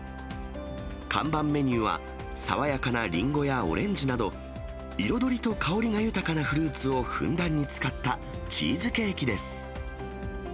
看板メニューは、爽やかなリンゴやオレンジなど、彩りと香りが豊かなフルーツをふんだんに使ったチーズケーキです。